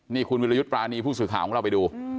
นี่คุณวิรยุทธ์ปรานีผู้สื่อข่าวของเราไปดู